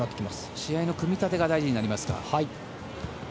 試合の組み立てが大事になりますか。